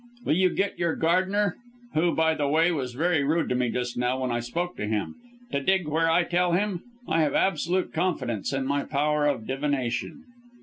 "Will you get your gardener who by the way was very rude to me just now when I spoke to him to dig where I tell him. I have absolute confidence in my power of divination."